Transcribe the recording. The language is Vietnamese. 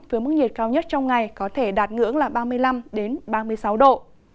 với mức nhiệt cao nhất trong ngày có thể đạt ngưỡng là ba mươi năm ba mươi sáu độ